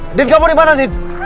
andin kamu dimana again